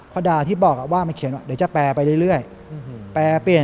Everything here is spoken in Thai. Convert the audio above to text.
พอดาที่บอกว่ามันเขียนว่าเดี๋ยวจะแปรไปเรื่อย